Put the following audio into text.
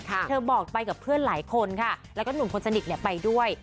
เธอบอกไปกับเพื่อนหลายคนค่ะแล้วก็หนุ่มคนสนิทไปด้วย